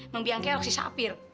membiang kelok si sapir